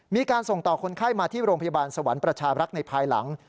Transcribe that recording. มีการส่งต่อคนไข้มาที่โรงพยาบาลสวรรค์ประชารักษ์ในภายหลัง